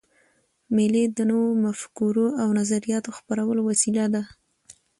مېلې د نوو مفکورو او نظریاتو خپرولو وسیله ده.